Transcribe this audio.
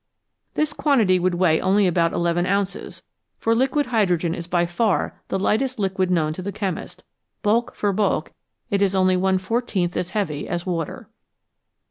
This quantity would weigh only about eleven ounces, for liquid hydrogen is by far the lightest liquid known to the chemist ; bulk for bulk, it is only one fourteenth as heavy as water.